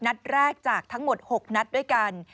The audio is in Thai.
นัดแรกจากทั้งหมด๖นัดด้วยกัน